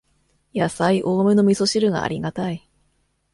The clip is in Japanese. やさい多めのみそ汁がありがたい